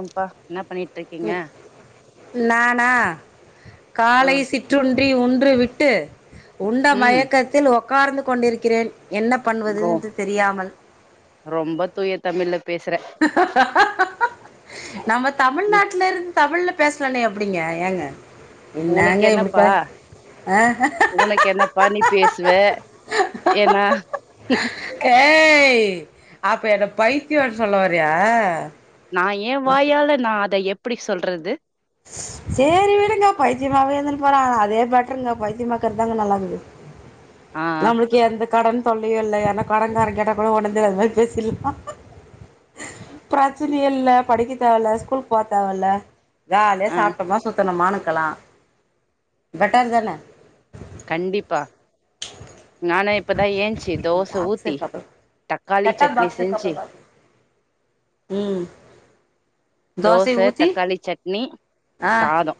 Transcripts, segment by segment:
ஆம்ப்பா என்னா பண்ணிட்ருக்கீங்க நானா ஆ காலை சிட் ற்றுண்டி உன்று விட்டு உண்ட ம் மயக்கத்தில் ஒகார்ந்து கொண்டிருக்கிறேன் என்ன ரொ பண்ணுவதுன்று தெரியாமல் ரொம்ப தூய தமிழ்ல பேசுற நம்ம உ- தமிழ்நாட்ல இருந்த் தமிழ்ல பேச்லனே எப்படிங்க ஏங்க உனக்கு என்னங்க இப்டி என்னப்பா பேஸ் ஆ உனக்கு என்ன ப நீ பேசுவ ஏன்னா ஏய் அப்ப என்ன பைத்தியோன்னு சொல்ல வரியா நா ஏ வாய்யால நா அத எப்டி சொல்றது சேரி விடுங்க பைத்தியமாவே இருந்துனு போறே அதே பெட்ருங்க பைத்தியமாக்கிறதாங்க நல்லாக்குது ஆ நம்ப்ளுக் இ எந்த கடன் தொல்லையு இல்ல ஏன்னா கடன்ங்காரன் கேட்டா கூட ஒடந்து அது மாத்ரி பேசிட்லா பிரச்சனையே இல்ல படிக்க தேவல ஸ்கூல் போத்தேவல்ல ஜாலியா ஆ சாப்ட்டமா சுத்தணமானுக்கலா பெட்டர் தான கண்டிப்பா நானே இப்பதா ஏஞ்சி தோச பாக்ஸ் ஊத்தி இருக்கா பாரு தக்காளிச் செட்டாப் சட்னி பாக்ஸ் இருக்கா செஞ்சு பாரு பாரு ம் தோச தோசைய ஊத்தி தக்காளிச் சட்னி ஆ சாதோ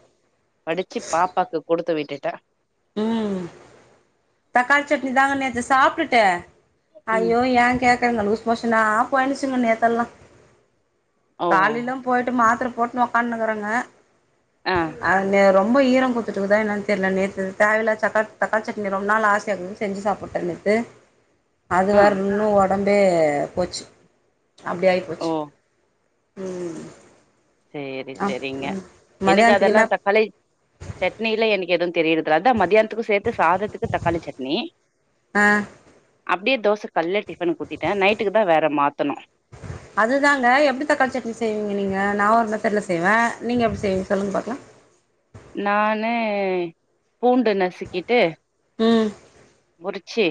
வடிச்சு பாப்பாக்கு குடுத்து விட்டுட்டே ம் தக்காளிச் சட்னி தாங்க நேத்து சாப்ட்டுட்டு ம் ஐயோ ஏ கேக்குறீங்க லூஷ்மோஷனா போயினுருஞ்சுங்க நேத்தெல்லா ஓ காலைலு பொய்ட்டு மாத்ர போட்டுனு ஒக்காந்துனுக்றங்க ஆ அது ரொம் ரொம்ப ஈரம் குடுத்துட்டுருக்குதா என்னான் தெர்ல நேத்து தேவயில்லாத சக்கா தக்காளிச்சட்னி ரொம்ப நாள் ஆசையாக்குதுன் செஞ்சு சாப்பிட்டே நேத்து அது ஆ வேற இன்னு ஒடம்பே போச்சு அப்டி ஆயிப் ஓ போச்சு ம் சேரி ஆ சேரிங்க எனக்கு மதியானத்துக்கு என்ன அதெல்லா தக்காளி சட்னில எனக்கு எதுவு தெரியுறதில்ல அதா மதியானத்துக்கு சேத்து சாதத்துக்கு தக்காளிச் சட்னி அ அப்டியே தோச கால்ல டிஃபனுக்கு ஊத்திட்டே நைட்டுக்கு தா வேற மாத்தணு அதுதாங்க எப்டி தக்காளிச் சட்னி செய்வீங்க நீங்க நா ஒரு மெத்தர்டுல செய்வே நீங்க எப்டி செய்வீங்க சொல்லுங்க பாக்கலா நானு பூண்டு நசுக்கிட்டு ம் உரிச்சி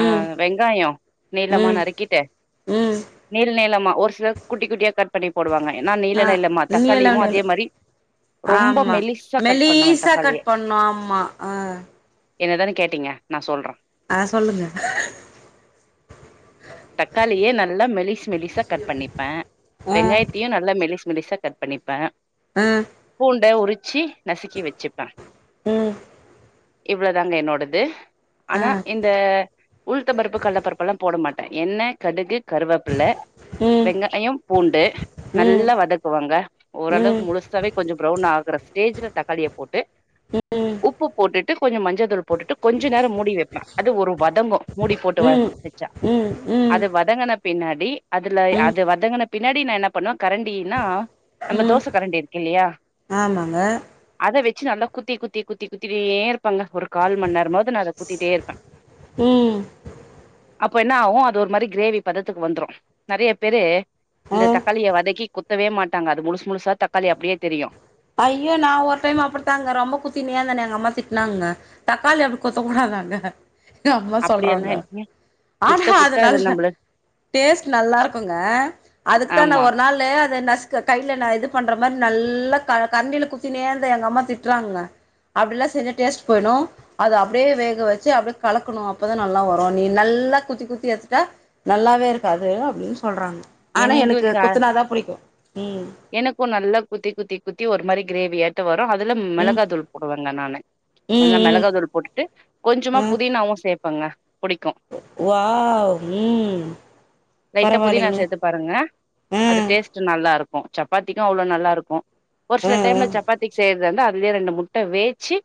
ஆ வெங்காயம் நீளமா ம் நறுக் கிட்டு ம் நீள் நீளமா ஒரு சிலர் குட்டிக் குட்டியா கட் ட் பண்ணி போடுவாங்க ஏனா நீள ஆ நீளமா நீள தக்காளியுமு அதே மாரி ரொம்ப மெலிஸ் மெலீசா கட் பண்ணு ஆமா ஆ என்னதான கேட்டீங்க நா சொல்றே அ சொல்லுங்க தக்காளிய நல்லா மெலிஸ் மெலிஸா கட் பண்ணிப்பே ஆ வெங்காயத்தயு நல்லா மெலிஸ் மெலிஸா கட் பண்ணிப்பே ஆ பூண்ட உரிச்சு நசுக்கி வச்சுப்பே ம் இவ்ளோதாங்க என்னோடது ஆ ஆனா இந்த உளுத்தம் பருப்பு கல்லப்பருப்பெல்லா போட மாட் டே எண்ணெ கடுகு கருவேப்பில்ல ம் வெங்காயோ பூண்டு ம் நல்லா வதக்குவங்க ம் ம் ஓரளவு முழுசாவே கொஞ்சொ ப்ரவுன் ஆகுற ஸ்டேஜ்ல தக்காளியப் போட்டு உப்புப் போட்டுட்டு கொஞ்ச மஞ்ச தூள் போட்டுட்டு கொஞ்ச நேரோ மூடி வைப்பே அது ஒரு வதங்கு மூடி போட்டு வ ம் வெச்சா ம் ம் அது வதங்கன பின்னாடி அதுல ம் அது வதங்கன பின்னாடி நா என்ன பண்ணுவே கரண்டின்னா நம்ப ம் தோசக் கரண்டி இருக்கு இல்லியா ஆமாங்க அத வச்சு நல்லா குத்தி குத்தி குத்தி குத்திவே இருப்பங்க ஒரு கால் மணி நேரமாவது நா அத குத்திட்டே இருப்பே ம் அப்போ என்ன ஆவு அது ஒரு மாரி கிரேவி பதத்துக்கு வந்துரு நெறைய பேரு இந்த ஆ தக்காளிய வதக்கி குத்தவே மாட்டாங்க அது முழுசு முழுசா தக்காளி அப்டியே தெரியு ஐயோ நா ஒரு டைம் அப்டித்தாங்க ரொம்ப குத்தினே இருந்தேன்னு எங்கம்மா திட்னாங்கங்க தக்காளி அப்டி கொத்தக்கூடாதாங்க எங்கம்மா அப்டியெல்லா சொல்றாங்க இல்லைங்க ஆனா குத்த குத்த அது நல்லா நம்மள டேஸ்ட்டு நல்லா இருக்குங்க அதுக்குதா நா ஆமா ஒரு நாள் அது நசுக் க கைல நா இது பண்ற மாரி நல்லா க கரண்டில குத்தினே இருந்தே எங்கம்மா திட்டுறாங்கங்க அப்டில்லா செஞ்சா டேஸ்ட்டு போயினு அது அப்டியே வேக வச்சு அப்டியே கலக்கணு அப்பதா நல்லா வரு நீ நல்லா குத்திக் குத்தி எடுத்துட்டா நல்லாவே இருக்காது அப்படின்னு சொல்றாங்க ஆனா எனக்கு எங்களுக்கு அ கொத்துனாதா புடிக்கு ம் எனக்கு நல்லா குத்தி குத்தி குத்தி ஒரு மாரி கிரேவியாட்டோ வரு அதுல ம் மெளகா தூள் போடுவங்க நானு கொஞ்சோ ம் ம் மெளகா தூள் போட்டுட்டு கொஞ்சமா ஆ புதினாவு சேப்பங்க வாவ் ம் லைட்டா புதினா பரவாலைங்க சேத்து பாருங்க அது டேஸ்ட் நல்லா இருக்கு சப்பாத்திக்கு அவ்ளோ நல்லா இருக்கு ஒரு ஆ சில ஆ டைம்ல சப்பாத்திக்கி செய்றது இது வந்து அதுலயே ரெண்டு முட்ட வேச்சி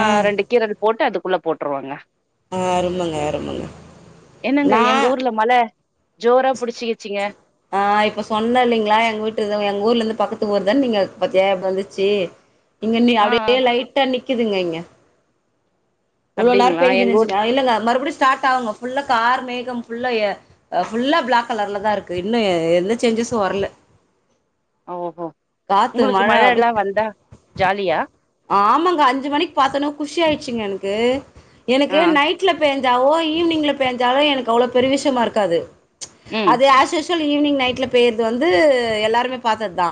ஆ ரெண்டு கீரல் போட்டு அதுக்குள்ள போட்டுருவங்க ஆ அருமங்க அருமங்க என்னங்க நா எங்க ஊர்ல மழ ஜோரா புடிச்சிகிச்சிங்க ஆ இப்ப சொன்ன இல்லைங்ளா எங்க வூட்டு எங்க ஊர்லந்து பக்கத்து ஊர் தான் நீங்க பாத்தியா இப்ப வந்துச்சி இங்கன்னு ஆ ஆ யாருடையே லைட்டா நிக்கிதுங்க இங்க இவ்ளோ நேரோ அப்டிங்களா பேஞ்சி எங்க ஊர் நின்ருச்சிங்க இல்லங்க மறுபடியு ஸ்டார்ட் ஆகுங்க ஃபுல்லா கார்மேகம் ஃபுல்லா ஆ ஃபுல்லா பிளாக் கலர்லதா இருக்கு இன்னு எந்த சேஞ்சஸு வரல ஓஹோ காத்து உங்களுக்கு மழ மழல்லா அப்டி வந்தா ஜாலியா ஆமாங்க அஞ்சி மணிக்கி பாத்த ஒன்னே குஷி ஆயிடுச்சிங்க எனக்கு எனக்கு ஆ நைட்ல பேஞ் த வோ ஈவினிங்ல பேஞ்சாலோ எனக்கு அவ்ளோ பெரிய விஷ்யமா இருக்காது ம் அது ஆஸ்யூஸ் ஈவினிங் நைட்ல பேய்ர்து வந்து எல்லாருமே பாத்ததுதா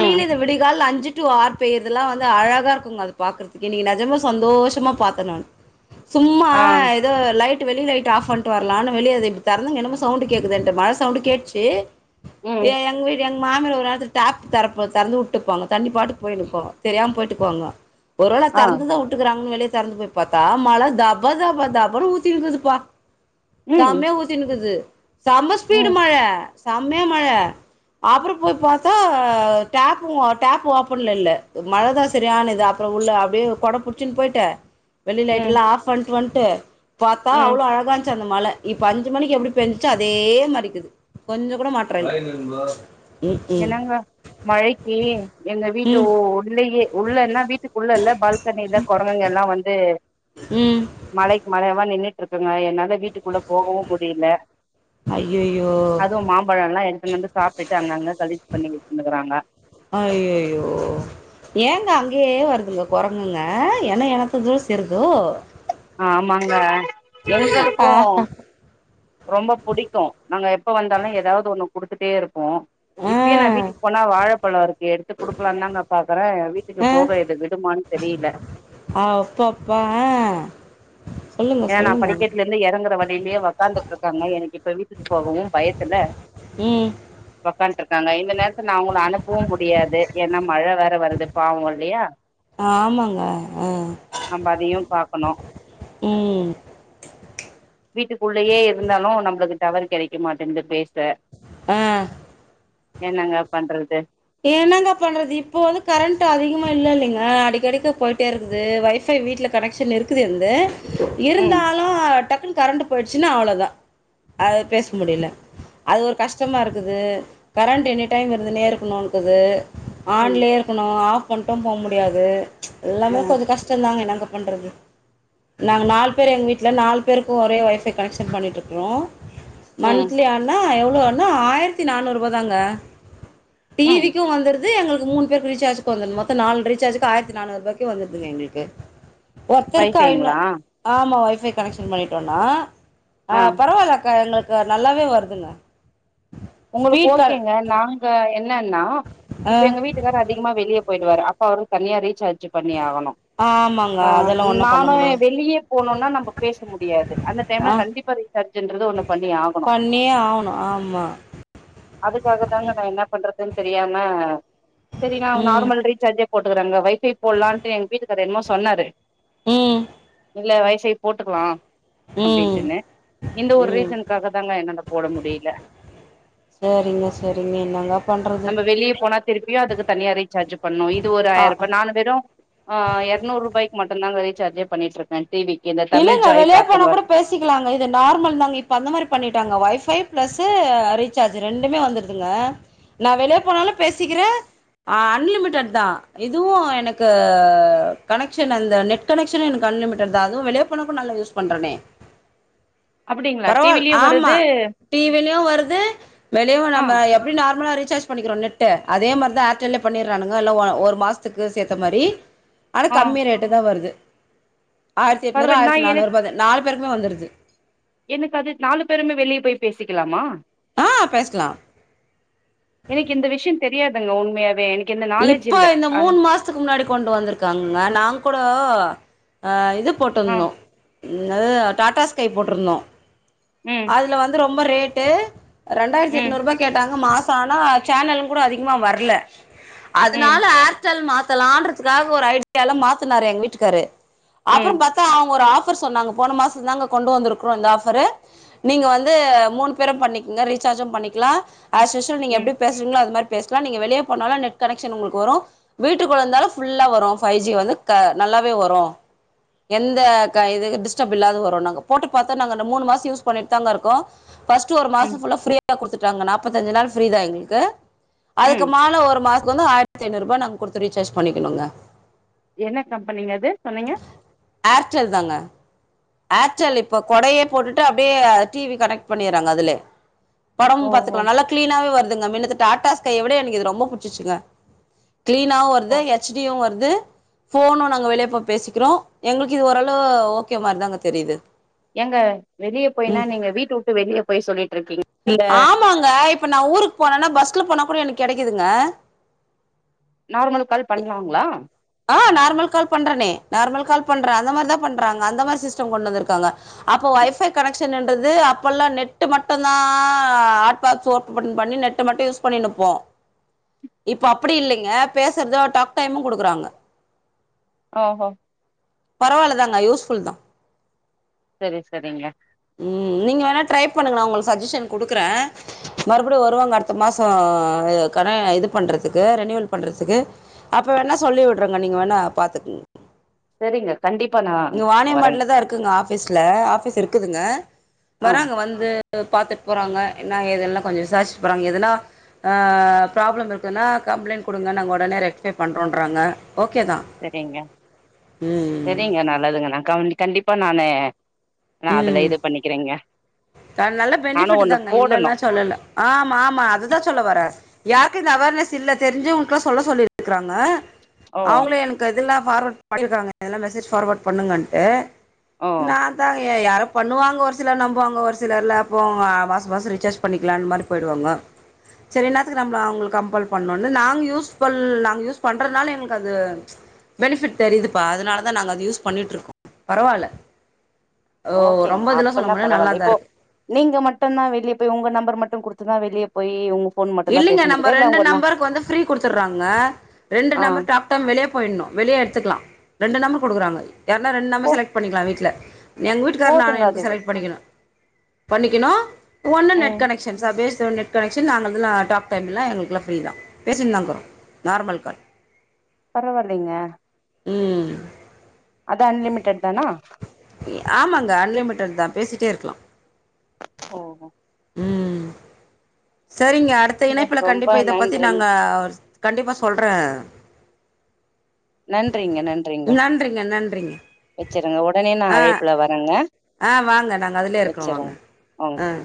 ம் இது விடிகால்ல அஞ்சி டு ஆர் பெயற்தெல்லா வந்து அழகா இருக்குங்க அது பாக்கறதுக்கே நீங்க நெஜமா சந்தோஷமா பாத்தர்லா சும்மா ஆ ஏதோ லைட் வெளி லைட் ஆப் பண்ட்டு வர்லானு வெளிய இத இப்டி தெறந்து என்னமோ சவுண்டு கேக்குதேண்ட்டு மழ சவுண்டு கேட்ச்சி ம் ஏ எங்க வீடு எங்க மாமியார் ஒரு காலத்துக்கு டேப் தரப்பு தெறந்து வுட்டுப்பாங்க தண்ணி பாட்டுக் போய்னுக்கு தெரியாம போய்ட்டுக்வாங்கோ ஒருவேள ஆ தெறந்து தா வுட்டுக்குறாங்கன்னு வெளிய தெறந்து போய் பாத்த மழ தப தப தபன்னு ஊத்தி இருந்ததுப்பா ம் செமையா ஊத் சின்க்குது செம ஸ்பீடு ம் மழ செம்மையா மழ அப்புறோ போய் பாத் ஆ டேப்பு ஒ டேப் ஓப்பன்ல இல்ல மழதா செரியானது அப்புறோ உள்ள அப்டியே கொட புட் சின் போய்ட்டு வெளி லைட் ம் எல்லா ஆஃப் பண்ட்டு வன்ட்டு பாத்தா ம் அவ்ளோ அழகான்ச் அந்த மழ இப்ப அஞ்சு மணிக்கு எப்டி பேஞ்சிச்சோ அதே மாரிக்குது கொஞ்ச கூட மாற்ற இல்ல ம் ம் என்னங்க மழைக்கு எங்க வீட்டு ம் ஒ உள்ளயே உள்ள எல்லா வீட்டுக்குள்ள இல்ல பால்கனி இல்ல கொரங்குங்க எல்லா வந்து ம் மழைக்கு மழையவா நின்னுட்டு இருக்குங்க என்னால வீட்டுக்கு குள்ள போகவு முடியல ஐயையோ அதுவு மாம்பழல்லா எடுத்துனு வந்து சாப்ட்டுட்டு அங்கங்க பதிவு பண்ணி விட்டுனுக்கறாங்க அய்யயோ ஏங்க அங்கயே வருதுங்க குரங்குங்க எனோ எனத்தோட சேருதோ ஆமாங்க எங்களுக்கு ஆஹா ரொம்ப புடிக்கு நாங்க எப்ப வந்தாலு ஏதாவது ஒண்ணு குடுத்துட்டே இருப்போ ஆ இப்பியு நா வீட்டுக் போனா வாழப்பழோ இருக்கு எடுத்து குடுக்கலான் தா நா பாக்கற எ வீட்டுக்கு போக எது விடுமான் தெரியல ஆ அப்போ அப்பா ஆ சொல்லுங்க ஏனா நா சொல்லுங்க படிக்கட்ல இருந்து எறங்கற வழியிலயே ஒக்காந்துட்ருக்காங்க எனக்கு இப்ப வீட்டுக்கு போகவு பயத்துல ம் ஒக்கான்ட்ருக்காங்க இந்த நேரத்துல நா அவுங்கள அனுப்பவு முடியாது ஏனா மழ வேற வருது பாவோ இல்லையா ஆமாங்க ஆ நம்ப அதயு பாக்கணு ம் வீட்டுக்குள்ளயே இருந்தாலு நம்ளுக்கு டவர் கெடைக்க மாட்டுகுது பேச ஆ என்னங்க பண்றது என்னங்க பண்றது இப்போ து கரண்ட்டு அதிகமா இல்ல இல்லங்க அடிக்கடிக் போயிட்டே இருக்குது வைஃபை வீட்ல கனெக்ஷன் இருக்குது ந்து ம் இருந்தாலு டக்குன்னு கரண்ட்டு போயிடுச்சுன்னா அவ்ளோதா அது பேச முடியல அது ஒரு கஷ்டமா இருக்குது கரண்ட்டு எனி டைம் இருந்துனே இருக்குணு க்குது ம் ஆன்லே இருக்கணு ஆஃப் பண்ட்டு போ முடியாது எல்லாமே ம் கொஞ்ச கஷ்டந்தாங்க இன்னாங்க பண்றது நாங்க நாலு பேர் எங்க வீட்ல நாலு பேருக்கு ஒரே ஒய் ஃபை கனெக்க்ஷன் பண்ணிட்டிருக்கறோ ம் மன்த்லி ஆனா எவ்ளோனா ஆயிரத்தி நானூறு ரூபா தாங்க ம் டிவிக்கு வந்துரு து எங்ளுக் மூணுபேருக்கு ரீசார்ஜ்க்கு வந்து மொத்த நாலு ரீசார்ஜ்கு ஆயிரத்தி நானூறு ரூபாய்கு வந்துருதுங்க எங்ளுக்கு ஒருத்தருக் ஐநூ வைஃபைங்களா ஆமா ஒய் பை கனெக்ஷன் பண்ணிட்டோனா ஆ பரவால அக்கா எங்ளுக்கு நல்லாவே வருதுங்க உங்ளுக்கு ஸ்பீட் கால் ஓகேங்க நாங்க என்னன்னா ஆ இப்ப எங்க வீட் டுக்காரு அதிகமா வெளிய போயிடுவாரு அப்ப அவரு தனியா ரீசார்ஜ் பண்ணி ஆகணு ஆம்மா ஆ நானு வெளியே போனோனா நம்ம பேச முடியாது அந்த டைம்ல ஆ கண்டிப்பா ரீ சார்ஜன்றது ஒண்ணு பண்ணி ஆகணு பண்ணியே ஆவணு ஆம்மா அதுக்காக தாங்க நா என்ன பண்றது தெரியாம செரி நா ம் நார்மல் ரீசார்ஜே போட்டுக்கறாங்க வைஃபை போல்லான்ட்டு எங்க வீட்டுக்காரு என்மோ சொன்னாரு ம் இல்ல வை ஃபைய் போட்டுக்கலா ம் அப்டின்ட்டுனு இந்த ஒரு ரீசனுக்காக தாங்க என்னால போட முடில சேரிங்க சேரிங்க இன்னாங்கப் நம்ப வெளி போனா திருப்பியு அதுக் தனியா ரீச்சார்ஜ் பண்ணு இது ஒரு ஆ ஆயிர்ரூபா நானு வெறு ஆ எர்நூறு ரூபாய்க்கு மட்டுதாங்க ரீசார்ஜே பண்ணிட்டு இருக்க டி வி இல்ல நா வெளோ போனா கூட பே சிக்கலாங்க இது நார்மல் தாங்க இப்ப அந்த மாரி பண்ணிட்டாங்க ஒய் ஃபை பிளஸீ ரீசார்ஜ் ரெண்டுமே வந்துருதுங்க நா வெளே போனாலு பேசிக்கிறே அ அன்லிமிடட் தா இதுவு எனக்கு கனெக்க்ஷன் அந்த நெட் ட் கனெக்ஷன் எனக்கு அன்லிமிட் தா அதுவு வெளியே போன கூட நல்லா யூஸ் பண்றனே அப்டிங்களா பரவால் டிவிலயு ஆம்மா வருது டி வி லியு வருது வெளியு ஆ நம்ம எப் எப்டி நார்மலா ரீசார்ஜ் பண்ணிக்றோ நெட்டு அதேமார்தா ஏர்ட்டெல்லயு பண்ணிரானுங்க ஒரு மாசத்துக்கு சேத்த மாரி [inaudible] ஆனா கம்மி ரேட்டு தா வருது ஆயிரத்துஎட்நூறு பரவாயில் நா ஆயிரத்து நானூறுபாது நாலு பேருக்குமே வந்துருது எனக் அது நாலு பேருமே வெளியே போய் பேசிக்கலாமா ஆ பேஸ்லா எனக் இந்த விஷயந் தெரியாதுங்க உண்மையாவே எனக் இப்ப இந்த மூணு மாச இதுக் முன்னாடி கொண்டு வந்துருக்காங்கங்க நாங் கூட இது ஆ போட்ருந்தோ இன்னாது டாட்டா ஸ்கை போட்ருந்தோ ம் அதுல வந்து ரொம்ப ரேட்டு ரெண்டாயிரத்தி ம் எட்நூறு ரூபாய்க் க்கேட்டாங்க மாச ஆனா ச்சேனலு கூட அதிகமா வரல ம் அதனால ஏர் ர்ட்டல் மாத்தலான்றதுக்காக ஒரு ஐடியால மாத்தினாரு எங் வீட்டுக்காரு ம் அப்றம் பாத் அவுங்க ஒரு ஆஃபர் சொன்னாங்க போன மாசந்தாங்க கொண்டு வந்துருக்றோ இந்த ஆபரு நீங்க வந்து மூணு பேரு பண்ணிக்ங்க ரீசார்ஜு பண்ணிக்கலா ஆஸ்யூஷல் நீங்க ம் எப்டி பேசறீங்களோ அது மாரி பேசலா நீங்க வெளியே போனாலு நெட் கனெக்க்ஷன் உங்ளுக்கு வரு வீட்டுக்குள்ள இருந்தாலு புல்லா வரு பை ஜி வந்து நல்லாவே வரு எந்த க இது டிஸ்டப் இல்லாத வரு நாங்க போட்டு பாத்தா நாங்க மூணு மாச யூஸ் பண்ணிட்டு தாங்க இருக்கோ ஃபர்ஸ்ட் ஒரு மாச ம் ஃபுல்லா ஃப்ரீயா தப்பாகுடுத்துட்டாங்க நாபத்தஞ்சு நாள் ஃப்ரீ தா எங்ளுக்கு ம் அதுக்குமால ஒரு மாச கொன்னு ஆயிரத்து ஐநூறுபா நாங்க குடுத்து ரீசார்ஜ் பண்ணிக்கணுங்க என்ன கம்பெனிங்க அது சொன்னீங்க ஏர்டெல் தாங்க ஏர்டெல் இப்ப கொடையே போட்டுட்டு அப்டே டிவி கனெக்ட் பண்ணிட்றாங்க அதுலே படம் ஓ ஓ பாத்துக்கலா நல்லா கிளீனாவே வருதுங்க மின்னுக்கு டாட்டா ஸ்கையை விட எனக்கு இது ரொம்ப புட்ச்சிசுங்க கிளீனாவு ஓ வருது எச் டி யு வருது ஃபோனு நாங்க வெளிய போய் பேசிக்கிறோ எங்களுக்கு இது ஓரளவு ஓகே மாரிதாங்க தெரியுது ஏங்க வெளிய ம் போய்னா நீங்க வீட்ட வுட்டு வெளிய போய் சொல்லிட்ருக்கீங்க ஆமாங்க இப்ப நா ஊருக்கு போனானா பஸ்ல போனா கூட எனக்கு கெடைக்குதுங்க நார்மல் கால் பண்வாங்களா ஆ நார்மல் கால் பண்றனே நார்மல் கால் பண்ற அந்த மாதிரிதா பண்றாங்க அந்த மாதிரி சிஸ்டம் கொண்டு வந்துருக்காங்க அப்போ வைஃபை கனெக்ஷன்னன்றது அப்போல்லா நெட்டு மட்டுதா ஆ ஹாட் பாக்ஸ் ஓபன் பண்ணி நெட்டு மட்டு யூஸ் பண்ணினுப்போ இப்ப அப்டி இல்லைங்க பேசறதோ டாக் டைமூ குடுக்குறாங்க அஹ பரவால்லதாங்க யூஸ்ஃபுல் தா சரி சரிங்க ம் நீங்க வேணா ட்ரை பண்ணுங்கள உங்களுக்கு சட்ஜஷன் குடுக்கற மறுபடியு வருவாங்க அடுத்த மாசோ கன இது பண்றதுக்கு ரெனியுவல் பண்றதுக்கு அப்ப வேணா சொல்லி உட்றங்க நீங்க வேணா பாத்துக்குங்க செரிங்க கண்டிப்பா நா இங்க வரேங்க வாணியம்பாடியில் தா இருக்குங்க ஆஃபீஸ்ல ஆஃபீஸ் இருக்குதுங்க ஆ வராறங்க வந்து பாத்துட்டு போறாங்க என்ன ஏதுல்லா கொஞ்சோ விசாரிச்சிட்டு போறாங்க எதுனா ப்ராப்ளம் இருக்குன்னா கம்ப்ளைண்ட் குடுங்க நாங்க உடனே ரெக்டிஃபை பண்றோன்றாங்க ஓகே தா சரிங்க ம் சரிங்க நல்லதுங்க நா க கண்டிப்பா நானு நா அதுல ம் இது பண்ணிக்கிறேங்க நல்ல நானு பெனிஃபிட் ஒண்ணு தாங்க போடணு இல்லல்லா சொல்லல ஆமா ஆமா அதுதா சொல்ல வர யாருக்கு இந்த அவேர்னஸ் இல்ல தெரிஞ்சுவங்க்ளுல்லா சொல்ல சொல்லிருக்கறாங்க ஓ அவுங்களே எனக்கு இதில்லா ஃபார்வர்ட் பண்ணிருக்காங்கல்லா மெசேஜ் ஃபார்வேர்ட் பண்ணுங்கன்டு ஓ நா தா யாரோ பண்ணுவாங்க ஒருசிலர் நம்புவாங்க ஒரு சி சிலர்ல போமா மாச மாசோ ரீசார்ஜ் பண்ணிக்கலான் மாரிபோய்டுவாங்கோ சரி என்னாத்துக்கு நம்பள அவுங்களுக்கு கம்பல் பண்ணுனு நாங்க யூஸ் பல் நாங்க யூஸ் பண்றதுனால எங்களுக்கு அது பெனிஃபிட் தெரியுதுப்பா அதனால தா நாங்க அத யூஸ் பண்ணிட்டுருக்கோ பரவால்ல ஓ ஓகேங்கா ரொம்ப இதெல்லா சொல்ல அப்பனா முடியாது பரவால்ல நல்லாதா இப்போ இருக்கு நீங்க மட்டுதா வெளியபோய் உங்க நம்பர் மட்டு குடுத்துதா வெளிய போயி உங்க ஃபோன் மட்டுந்தா இல்லைங்க பேச நம்ப முடியுதா இல்ல ரெண்டு உங்க நா நம்பருக்கு வந்து ஃப்ரீ குடுத்துற்றாங்க ரெண்டு ஆ நம்பர் டாக் வெளிய போயிட்ணு வெளிய எடுத்துக்கலா ரெண்டு நம்பர் குடுக்குறாங்க யார்ன்னா ரெண்டு நம்பர் போ செலக்ட் பண்ணிக்கலா வீட்ல எங்க வீட்டுக்காரு நானு போதுங்க எனக்கு அதுவே செலக்ட் பண்ணிக்கணு பண்ணிக்கிணோ ஒன்னு நெட் ம் கனக்ஷன் ச பேஸ்ட் ஒன் நெட் கனெக்சன் நாங்க அதுல்லா டாக் டைம் லா எங்களுக்குலா ஃபிரீ தா பேசன் நாங்தரோ நார்மல் கால் பரவால்லைங்க ம் அது அன்லிமிடெட் தானா ஆமாங்க அன்லிமிடட் தா பேசிட்டே இருக்கலா ஓ ஹோ ம் சரிங்க அடுத்த ங்க இணைப்புல ரொம்ப கண்டிப்பா இதப் பத்தி நன்றிங் நாங்க கண்டிப்பா சொல்றேன் நன்றிங்க நன்றிங்க நன்றிங்க நன்றிங்க வச்சிட்றேங்க ஒடனே நான் ஆ ஆ அழைப்புல வரேங்க ஆ வாங்க நாங்க அதுலயே இருக்கிறோம் வாங்க வச்சிருங்க ஆ ஓகேங்க